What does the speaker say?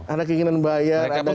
ada keinginan bayar